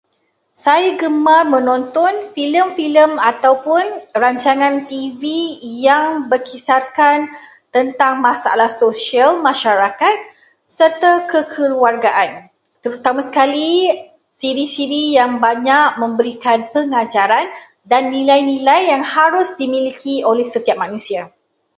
Saya gemar menonton filem-filem ataupun rancangan TV yang berkisarkan tentang masalah sosial masyarakat serta kekeluargaan. Terutama sekali siri-siri yang banyak memberikan pengajaran dan nilai-nilai yang harus dimiliki oleh setiap manusia.